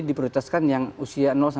diprotestkan yang usia